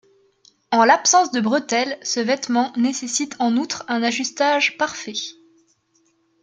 En l'absence de bretelles, ce vêtement nécessite en outre un ajustage parfait.